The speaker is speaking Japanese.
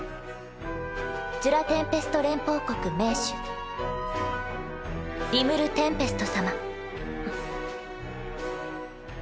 ジュラ・テンペスト連邦国盟主リムル＝テンペスト様。